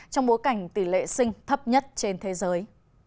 trong bối cảnh tỷ lệ sinh thấp nhất trên thế giới